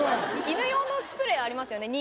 犬用のスプレーありますよね